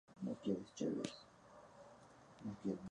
Guardó estos títulos hasta su muerte.